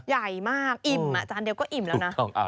ใหญ่มากอิ่มจานเดียวก็อิ่มแล้วนะ